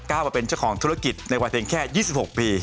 กล้าว่าเป็นเจ้าของธุรกิจในกว่าเทงแค่๒๖ปี